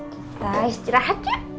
kita istirahat ya